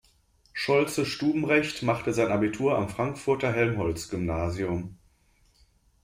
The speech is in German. Scholze-Stubenrecht machte sein Abitur am Frankfurter Helmholtz-Gymnasium.